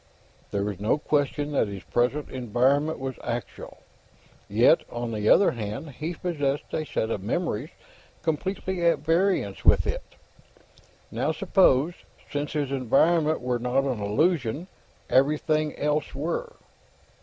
There was no question that his present environment was actual. Yet, on the other hand, he possessed a set of memories completely at variance with it. Now, suppose, since his environment were not an illusion, everything else were?